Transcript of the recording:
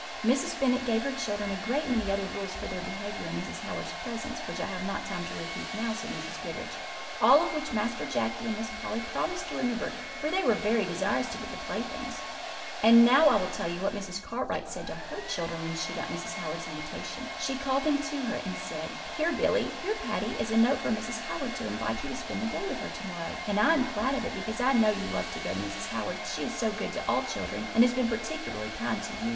"Mrs. Bennet gave her children a great many other rules for their behaviour in Mrs. Howard's presence, which I have not time to repeat now," said Mrs. Goodriche; "all of which Master Jacky and Miss Polly promised to remember, for they were very desirous to get the playthings. "And now I will tell you what Mrs. Cartwright said to her children when she got Mrs. Howard's invitation. She called them to her, and said: "'Here, Billy here, Patty, is a note from Mrs. Howard to invite you to spend the day with her to morrow; and I am glad of it, because I know you love to go to Mrs. Howard's, she is so good to all children, and has been particularly kind to you.